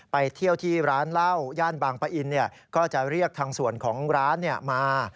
ไปเที่ยวที่ร้านเหล้าย่านบางปะอินก็จะเรียกทางส่วนของร้านมา